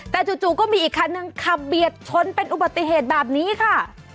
แต่จู่ก็มีอีกคันนึงขับเบียดชนเป็นอุบัติเหตุแบบนี้ค่ะ